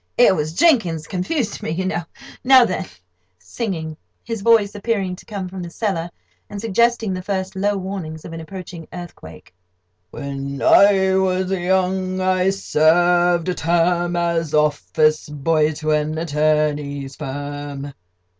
It was Jenkins confused me, you know. Now then. [Singing; his voice appearing to come from the cellar, and suggesting the first low warnings of an approaching earthquake. "'When I was young I served a term As office boy to an attorney's firm.